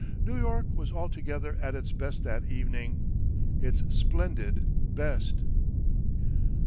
New York was altogether at its best that evening, its splendid best.